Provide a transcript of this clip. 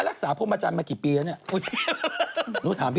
หลากษาผ่มอาจารย์มากี่ปีแล้วนิ